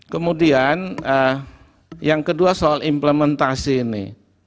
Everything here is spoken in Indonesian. kemudian yang kedua soal implementasi ini